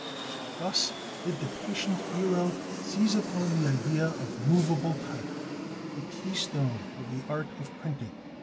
Thus did the patient hero seize upon the idea of movable type, the key stone of the art of printing.